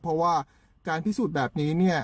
เพราะว่าการพิสูจน์แบบนี้